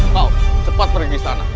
mau cepat pergi sana